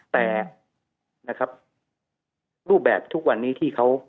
แต่นะครับรูปแบบทุกวันนี้ที่เขา